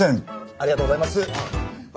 ありがとうございます！